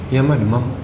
iya ma dimam